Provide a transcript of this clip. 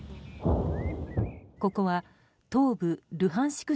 ここは東部ルハンシク